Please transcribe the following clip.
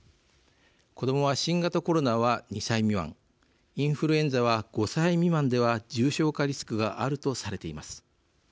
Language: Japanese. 子どもは新型コロナは２歳未満インフルエンザは５歳未満では重症化リスクがあるとされています。